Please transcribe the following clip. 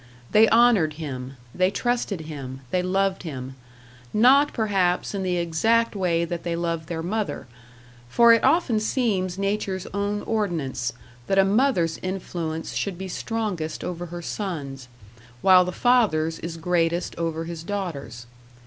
They honoured him, they trusted him, they loved him; not, perhaps, in the exact way that they loved their mother; for it often seems Nature's own ordinance, that a mother's influence should be strongest over her sons, while the father's is greatest over his daughters.